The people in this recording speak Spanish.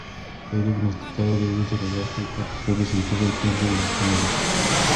Fue diagnosticado de úlcera gástrica, la cual resultó ser cáncer de estómago.